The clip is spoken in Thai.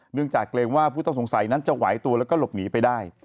จากเกรงว่าผู้ต้องสงสัยนั้นจะไหวตัวแล้วก็หลบหนีไปได้